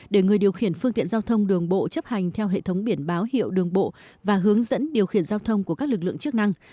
để người điều khiển phương tiện giao thông đường bộ chấp hành theo hệ thống biển báo hiệu đường bộ và hướng dẫn điều khiển giao thông của các lực lượng chức năng